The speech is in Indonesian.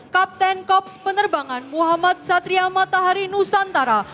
kapten kops penerbangan muhammad satria matahari nusantara